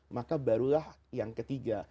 maka barulah yang ketiga